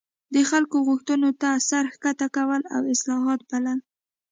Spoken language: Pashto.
د خلکو غوښتنو ته سر ښکته کول او اصلاحات بلل.